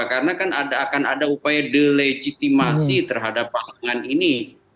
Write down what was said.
karena kan akan ada upaya delegitimasi terhadap pasangan ini